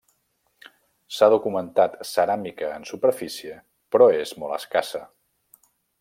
S'ha documentat ceràmica en superfície, però és molt escassa.